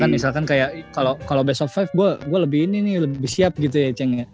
misalkan kayak kalo best of lima gue lebih ini nih lebih siap gitu ya ceng ya